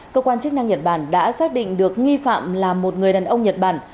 cơ quan chức năng nhật bản đã xác định được nghi phạm là một người đàn ông nhật bản